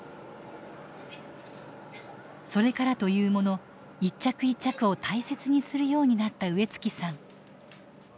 それからというもの一着一着を大切にするようになった植月さん。